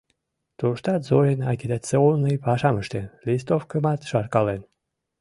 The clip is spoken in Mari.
Туштат Зорин агитационный пашам ыштен, листовкымат шаркален.